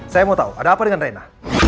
saya mau tahu ada apa dengan reina